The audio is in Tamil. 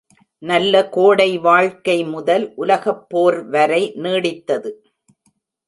நல்ல கோடை வாழ்க்கை முதல் உலகப் போர் வரை நீடித்தது.